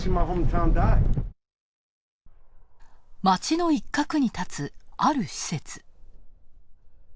街の一角に立つ、ある施設。